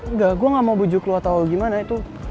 engga gua gak mau bujuk lu atau gimana itu